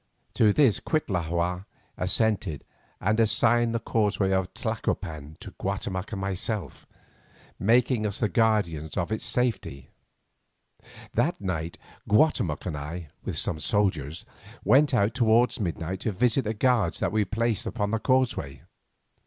To this Cuitlahua assented, and assigned the causeway of Tlacopan to Guatemoc and myself, making us the guardians of its safety. That night Guatemoc and I, with some soldiers, went out towards midnight to visit the guard that we had placed upon the causeway.